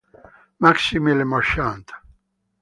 Maxime Le Marchand